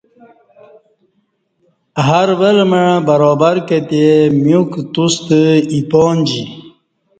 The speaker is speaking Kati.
ہر ول مع برابر کتے میوکہ توستہ ایپانجی